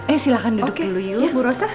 eh silahkan duduk dulu yuk bu rosa